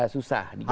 susah di jakarta